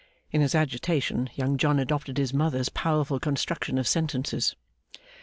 (In his agitation Young John adopted his mother's powerful construction of sentences.)